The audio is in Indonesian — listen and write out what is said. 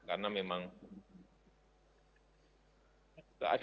sudah di dpr ditunggu saja